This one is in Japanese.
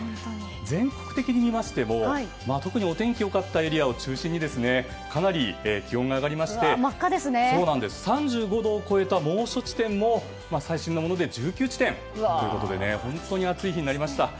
全国的に見ましても、特にお天気が良かったエリアを中心にかなり気温が上がりまして３５度を超えた猛暑地点も最新のものでは１９地点ということで本当に暑い日になりました。